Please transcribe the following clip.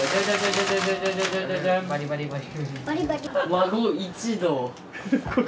孫一同。